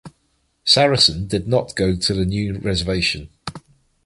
Saracen did not go to the new reservation.